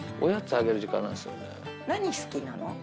何好きなの？